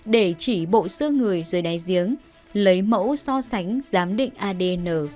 để chỉ bộ sơ người dưới đáy giếng lấy mẫu so sánh giám định adn